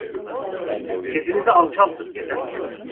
Sesinizi alçaltın.